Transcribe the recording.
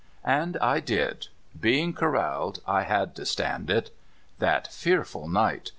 And I did; being corraled, I had to stand it. That fearful night!